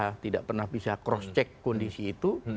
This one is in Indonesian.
kita tidak pernah bisa cross check kondisi itu